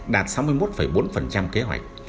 đạt sáu mươi một bốn kế hoạch